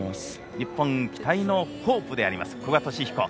日本期待のホープであります、古賀稔彦。